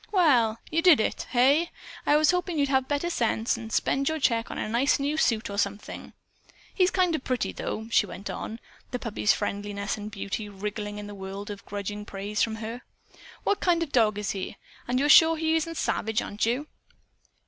"Well, you did it, hey? I was hoping you'd have better sense, and spend your check on a nice new suit or something. He's kind of pretty, though," she went on, the puppy's friendliness and beauty wringing the word of grudging praise from her. "What kind of a dog is he? And you're sure he isn't savage, aren't you?"